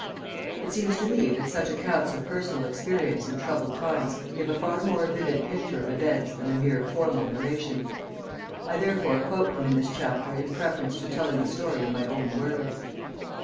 It seems to me that such accounts of personal experience in troubled times give a far more vivid picture of events than a mere formal narration. I therefore quote them in this chapter in preference to telling the story in my own words.